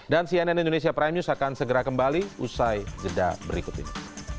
dan cnn indonesia prime news akan segera kembali usai jeda berikut ini